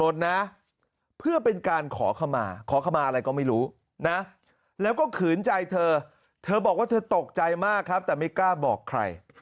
เธอบอกว่าเธอตกใจมากครับแต่ไม่กล้าบอกใคร